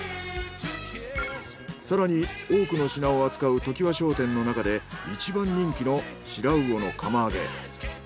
更に多くの品を扱う常磐商店の中で一番人気のシラウオの釜あげ。